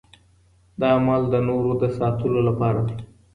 دا عمل د نورو د ساتلو لپاره دی.